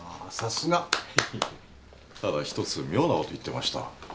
ただ一つ妙なこと言ってました。